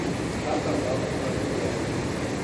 Catas Altas da Noruega